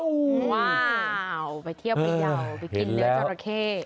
ว้าวไปเที่ยวพะเย่าไปกินเนื้อจอระเท่